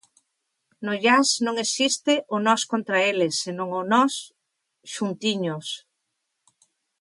No jazz non existe o nós contra eles, senón o nos xuntiños.